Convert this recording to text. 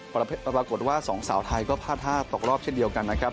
ปรากฏว่าสองสาวไทยก็พลาดท่าตกรอบเช่นเดียวกันนะครับ